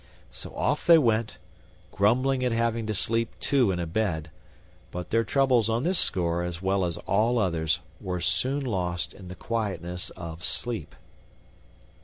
So off they went, grumbling at having to sleep two in a bed, but their troubles on this score, as well as all others, were soon lost in the quietness of sleep.